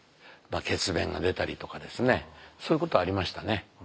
血便が出たりとかですねそういうことはありましたね。